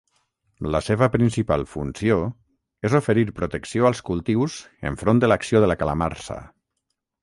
La seva principal funció és oferir protecció als cultius enfront de l'acció de la calamarsa.